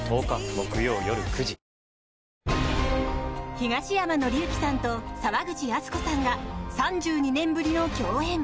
東山紀之さんと沢口靖子さんが３２年ぶりの共演。